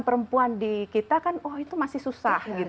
perempuan di kita kan oh itu masih susah gitu